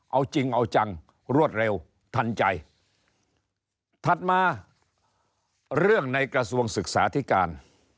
เอาจริงเอาจังรวดเร็วทันใจถัดมาเรื่องในกระทรวงศึกษาธิการ